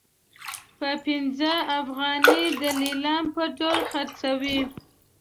په پنځه افغانۍ د لیلام په ډول خرڅوي.